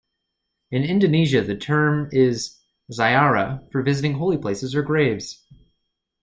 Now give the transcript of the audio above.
In Indonesia the term is "ziarah" for visiting holy places or graves.